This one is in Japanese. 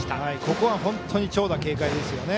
ここは本当に長打警戒ですよね。